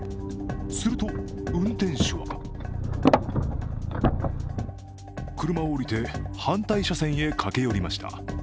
すると、運転手は車を降りて、反対車線へ駆け寄りました。